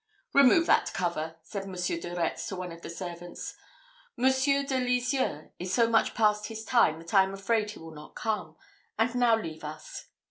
"Remove that cover," said Monsieur de Retz to one of the servants; "Monsieur de Lizieux is so much past his time that I am afraid he will not come and now leave us!"